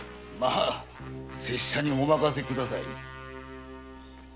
拙者にお任せください。